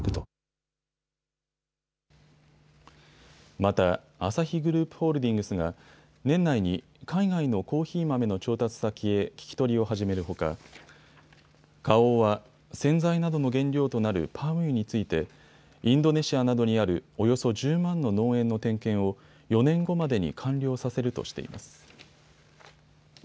また、アサヒグループホールディングスが年内に海外のコーヒー豆の調達先へ聞き取りを始めるほか、花王は洗剤などの原料となるパーム油についてインドネシアなどにあるおよそ１０万の農園の点検を４年後までに完了させるとしています。